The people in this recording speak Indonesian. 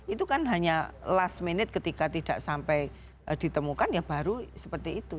itu kan hanya last minute ketika tidak sampai ditemukan ya baru seperti itu